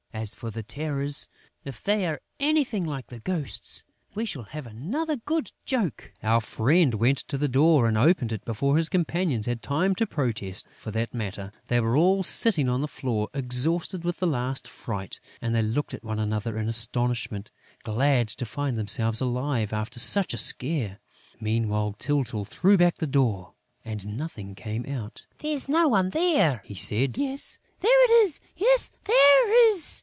As for the Terrors, if they are anything like the Ghosts, we shall have another good joke." Our friend went to the door and opened it, before his companions had time to protest. For that matter, they were all sitting on the floor, exhausted with the last fright; and they looked at one another in astonishment, glad to find themselves alive after such a scare. Meanwhile, Tyltyl threw back the door and nothing came out: "There's no one there!" he said. "Yes, there is! Yes, there is!